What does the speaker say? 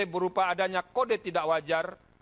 berupa adanya kode tidak wajar